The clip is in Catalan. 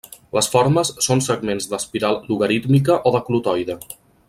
Les formes són segments d'espiral logarítmica o de clotoide.